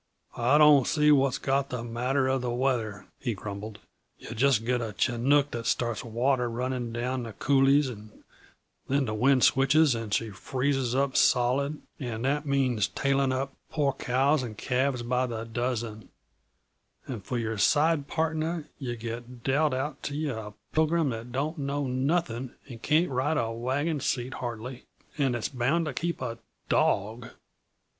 "I don't see what's got the matter of the weather," he grumbled. "Yuh just get a chinook that starts water running down the coulées, and then the wind switches and she freezes up solid and that means tailing up poor cows and calves by the dozen and for your side partner yuh get dealt out to yuh a pilgrim that don't know nothing and can't ride a wagon seat, hardly, and that's bound to keep a dawg!